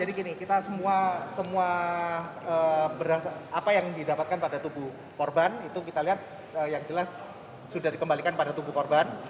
jadi gini kita semua apa yang didapatkan pada tubuh korban itu kita lihat yang jelas sudah dikembalikan pada tubuh korban